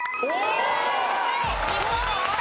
２ポイント